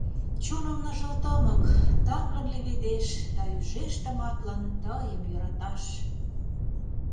Чоным ныжыл тымык тамлын леведеш Да ӱжеш тыматлын тыйым йӧраташ.